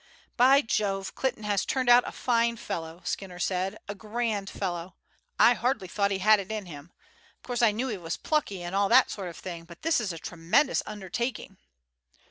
"By Jove, Clinton has turned out a fine fellow," Skinner said; "a grand fellow! I hardly thought he had it in him. Of course I knew he was plucky, and all that sort of thing; but this is a tremendous undertaking."